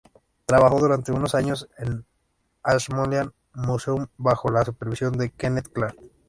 Trabajó durante unos años en el Ashmolean Museum bajo la supervisión de Kenneth Clark.